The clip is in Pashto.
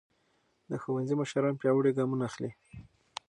د ښوونځي مشران پیاوړي ګامونه اخلي.